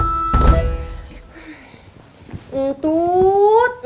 bajarin lagi kalau itu mah aku juga tau keles